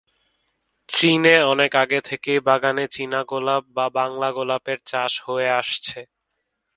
চীনে অনেক আগে থেকেই বাগানে চীনা গোলাপ বা বাংলা গোলাপের চাষ হয়ে আসছে।